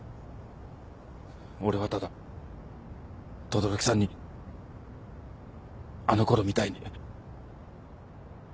俺はただ轟さんにあのころみたいに。